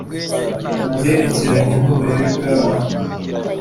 Ku byerekeranye n’uburere bw’abana,